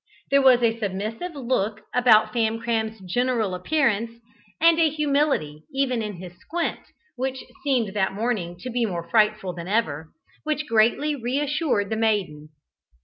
There was a submissive look about Famcram's general appearance, and a humility even in his squint (which seemed that morning to be more frightful than ever), which greatly re assured the maiden.